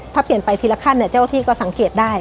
ถ้าเปลี่ยนไปทีละขั้นเจ้าที่ก็สังเกตได้